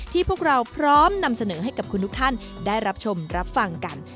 พวกเราพร้อมนำเสนอให้กับคุณทุกท่านได้รับชมรับฟังกัน